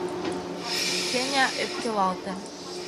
— Феня ӧпкелалте.